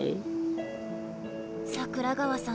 桜川さん